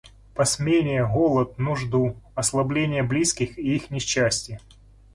Посмения, голод, нужду, озлобление близких и их несчастье.